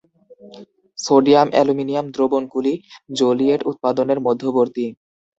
Sodium aluminium দ্রবণগুলি zeolite উৎপাদনের মধ্যবর্তী।